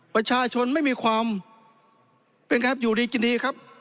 ประชาชนไม่มีความเป็นครับอยู่ดีกินดีครับ